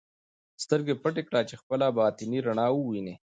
سترګې پټې کړه چې خپله باطني رڼا ووینې.